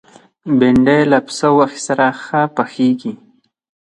بېنډۍ له پسه غوښې سره ښه پخېږي